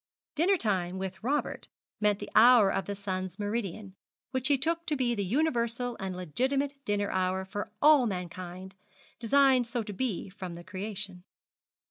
Dinner time with Robert meant the hour of the sun's meridian, which he took to be the universal and legitimate dinner hour for all mankind, designed so to be from the creation.